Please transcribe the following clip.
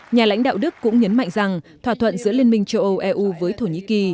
nhà lãnh đạo đức cũng nhấn mạnh rằng thỏa thuận giữa liên minh châu âu eu với thổ nhĩ kỳ